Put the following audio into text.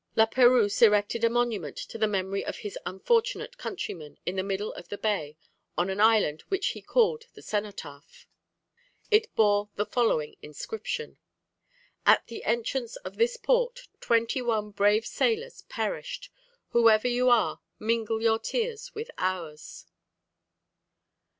La Perouse erected a monument to the memory of his unfortunate countrymen, in the middle of the bay, on an island which he called the Cenotaph. It bore the following inscription: "At the entrance of this port, twenty one brave sailors perished. Whoever you are, mingle your tears with ours."